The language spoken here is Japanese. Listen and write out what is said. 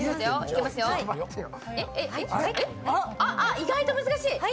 意外と難しい。